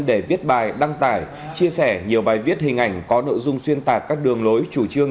để viết bài đăng tải chia sẻ nhiều bài viết hình ảnh có nội dung xuyên tạc các đường lối chủ trương